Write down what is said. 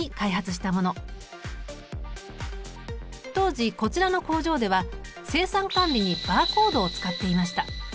当時こちらの工場では生産管理にバーコードを使っていました。